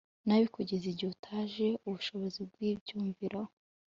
nabi kugeza igihe utakaje ubushobozi bwibyumviro